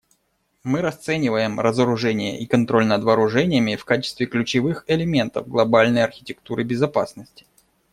Мы расцениваем разоружение и контроль над вооружениями в качестве ключевых элементов глобальной архитектуры безопасности.